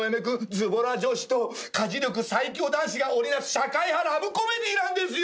ズボラ女子と家事力最強男子が織り成す社会派ラブコメディーなんですよ。